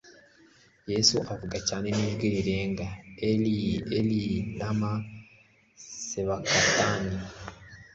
"Yesu avuga cyane n'ijwi rirenga: "Eli. Eli, Lama Sabakitani?